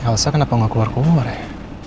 ya alasan kenapa gak keluar keluar ya